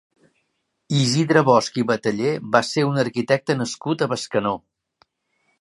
Isidre Bosch i Batallé va ser un arquitecte nascut a Bescanó.